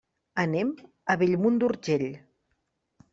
Anem a Bellmunt d'Urgell.